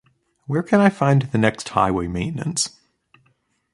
Where can I find the next highway maintenance?